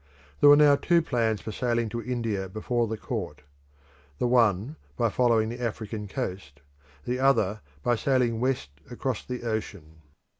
There were now two plans for sailing to India before the court: the one by following the African coast, the other by sailing west across the ocean.